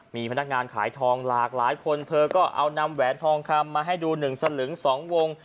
มีพนักงานขายทองหลากหลายคนเธอก็เอานำแหวนทองคำมาให้ดู๑สลึง๒วง